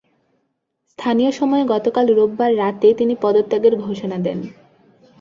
স্থানীয় সময় গতকাল রোববার রাতে তিনি পদত্যাগের ঘোষণা দেন।